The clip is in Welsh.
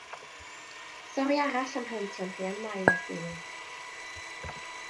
Stori arall am helyntion Rhian Mai a'i theulu.